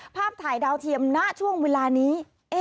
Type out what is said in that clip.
ภาพถ่ายดาวเทียมณช่วงเวลานี้